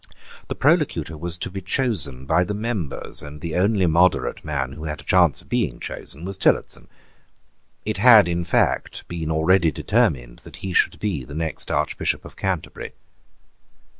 The Prolocutor was to be chosen by the members: and the only moderate man who had a chance of being chosen was Tillotson. It had in fact been already determined that he should be the next Archbishop of Canterbury.